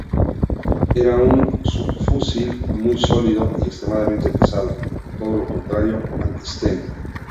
Era un subfusil muy sólido y extremadamente pesado, todo lo contrario al Sten.